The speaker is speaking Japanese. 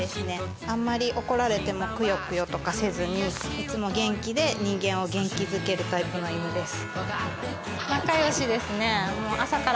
あんまり怒られてもくよくよとかせずにいつも元気で人間を元気づけるタイプの犬です。